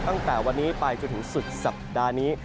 ตั้งแต่วันนี้ไปจนถึงสุดสัปดาห์นี้